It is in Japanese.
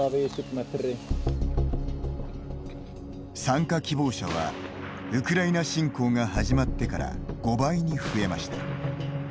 参加希望者はウクライナ侵攻が始まってから、５倍に増えました。